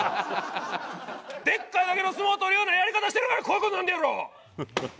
でっかいだけの相撲取るようなやり方してるからこういう事になるんやろ！